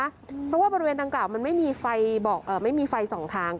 เพราะว่าบริเวณดังกล่าวมันไม่มีไฟ๒ทาง